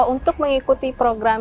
untuk mengikuti program